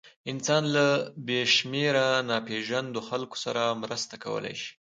انسان له بېشمېره ناپېژاندو خلکو سره مرسته کولی شي.